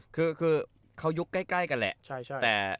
คือเขายุคใกล้กันแหละ